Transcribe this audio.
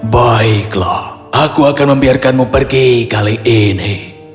baiklah aku akan membiarkanmu pergi kali ini